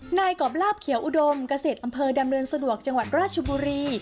นายกรอบลาบเขียวอุดมเกษตรอำเภอดำเนินสะดวกจังหวัดราชบุรี